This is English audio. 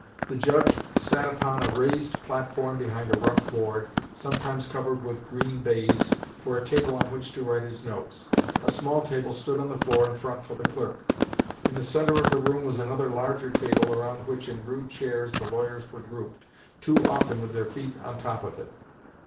The judge sat upon a raised platform behind a rough board, sometimes covered with green baize, for a table on which to write his notes. A small table stood on the floor in front for the clerk. In the center of the room was another larger table around which in rude chairs the lawyers were grouped, too often with their feet on top of it.